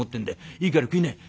いいから食いな」。